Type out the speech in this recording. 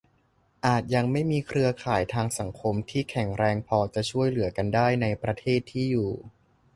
อาจยังไม่มีเครือข่ายทางสังคม ที่แข็งแรงพอจะช่วยเหลือกันได้ ในประเทศที่อยู่